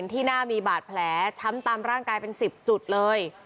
ที่หน้ามีบาดแผลช้ำตามร่างกายเป็น๑๐จุดเลย